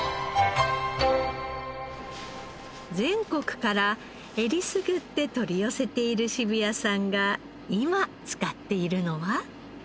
全国からえりすぐって取り寄せている渋谷さんが今使っているのは？